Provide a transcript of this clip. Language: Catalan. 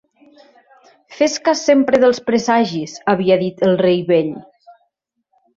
"Fes cas sempre dels presagis" havia dit el rei vell.